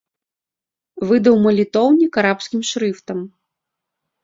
Выдаў малітоўнік арабскім шрыфтам.